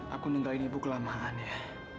aku mintain ibu kelamaan ya